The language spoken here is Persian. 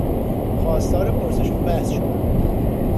خواستار پرسش و بحث شدن